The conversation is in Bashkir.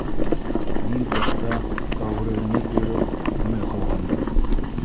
Мин тышта әүерәләнеп йөрөп, күрмәй ҡалғанмын.